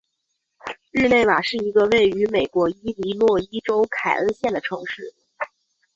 日内瓦是一个位于美国伊利诺伊州凯恩县的城市。